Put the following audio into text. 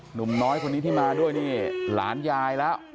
หนุ่มน้อยคนนี้ที่มาด้วยนี่หลานยายแล้ว